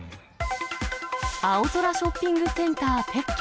青空ショッピングセンター撤去。